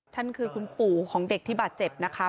ท่านคือคุณปู่ของเด็กที่บาดเจ็บนะคะ